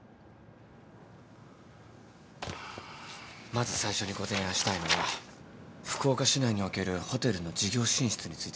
まず最初にご提案したいのは福岡市内におけるホテルの事業進出についてです。